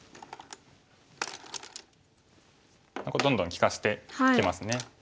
どんどん利かしてきますね。